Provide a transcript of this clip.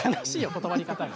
断り方が。